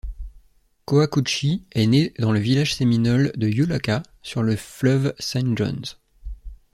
Coacoochee est né dans le village séminole de Yulaka sur le fleuve Saint Johns.